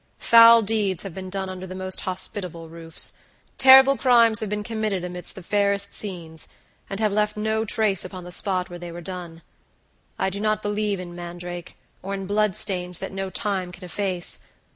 Foul deeds have been done under the most hospitable roofs; terrible crimes have been committed amid the fairest scenes, and have left no trace upon the spot where they were done. I do not believe in mandrake, or in bloodstains that no time can efface.